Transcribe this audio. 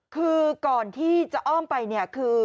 คือก่อนที่จะอ้อมไปเนี่ยคือ